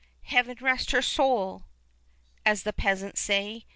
'Heaven rest her sowl!' as the peasants say.